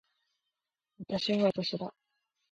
私は私だ。